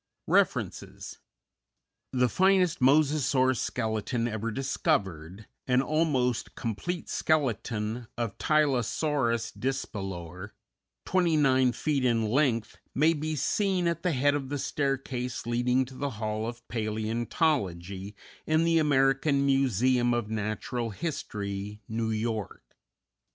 REFERENCES _The finest Mosasaur skeleton ever discovered, an almost complete skeleton of Tylosaurus dyspelor, 29 feet in length, may be seen at the head of the staircase leading to the Hall of Paleontology, in the American Museum of Natural History, New York.